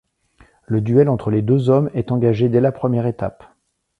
Le duel entre les deux hommes est engagé dès la première étape.